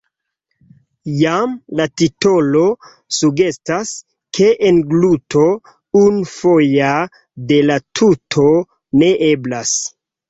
Jam la titolo sugestas, ke engluto unufoja de la tuto ne eblas.